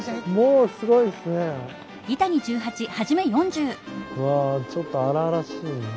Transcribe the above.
うわちょっと荒々しいな。